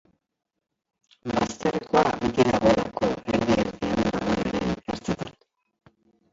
Bazterrekoa beti dagoelako erdi-erdian dagoenaren ertzetan.